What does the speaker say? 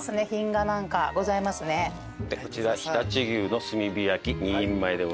こちら常陸牛の炭火焼２人前でございます。